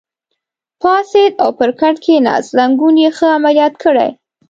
پاڅېد او پر کټ کېناست، زنګون یې ښه عملیات کړی.